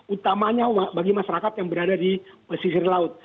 utamanya bagi masyarakat yang berada di pesisir laut